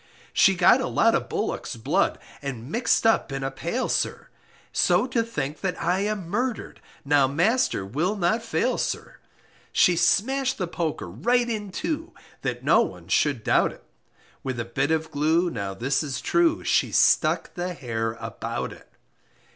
She got a lot of bullock's blood, And mixed up in a pail, Sir, So to think that I am murdered, now Master will not fail, Sir; She smashed the poker right in two, That no one should doubt it, With a bit of glue, now this is true, She stuck the hair about it.